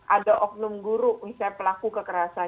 ada oknum guru misalnya pelaku kekerasan